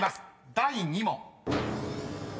第２問］